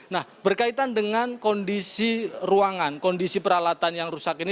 nah berkaitan dengan kondisi ruangan kondisi peralatan yang rusak ini